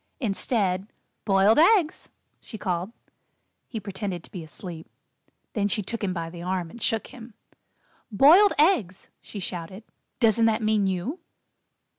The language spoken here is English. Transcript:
Instead, "Boiled Eggs," she called. He pretended to be asleep. Then she took him by the arm and shook him. "Boiled Eggs!" she shouted. "Doesn't that mean you?"